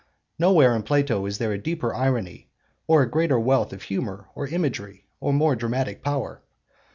Nowhere in Plato is there a deeper irony or a greater wealth of humour or imagery, or more dramatic power.